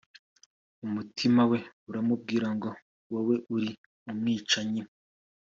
umutima we uramubwira ngo wowe uri umwicanyi